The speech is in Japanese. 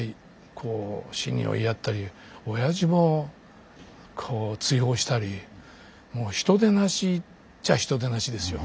死に追いやったりおやじも追放したりもう人でなしっちゃ人でなしですよ。